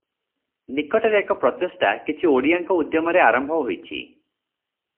ନିକଟରେ ଏକ ପ୍ରଚେଷ୍ଟା କିଛି ଓଡ଼ିଆଙ୍କ ଉଦ୍ୟମରେ ଆରମ୍ଭ ହୋଇଛି ।